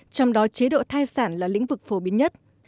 trong đó chế độ thai sản là lĩnh vực phổ biến nhất